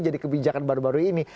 jadi kebijakan baru baru ini